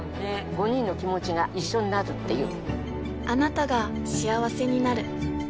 ５人の気持ちが一緒になるっていう。